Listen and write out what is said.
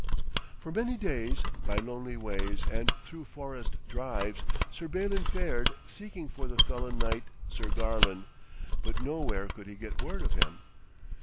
For many days, by lonely ways and through forest drives, Sir Balin fared, seeking for the felon knight Sir Garlon, but nowhere could he get word of him.